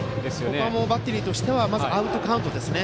ここはバッテリーとしてはまずアウトカウントですね。